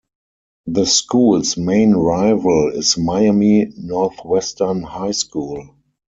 The school's main rival is Miami Northwestern High School.